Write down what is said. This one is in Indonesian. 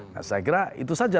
nah saya kira itu saja